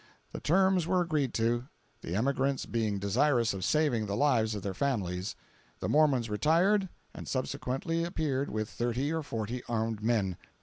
The terms were agreed to, the emigrants being desirous of saving the lives of their families. The Mormons retired, and subsequently appeared with thirty or forty armed men.